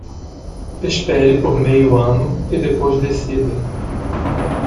Espere por meio ano e depois decida